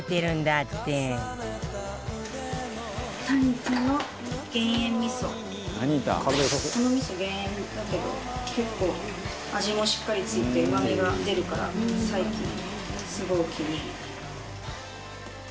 この味噌減塩だけど結構味もしっかりついてうまみが出るから最近すごいお気に入り。